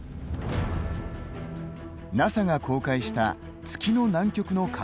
ＮＡＳＡが公開した月の南極の観測画像です。